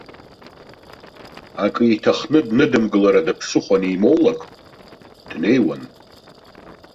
Акы иҭахны дныдымгылар ада ԥсыхәа анимоулак, днеиуан.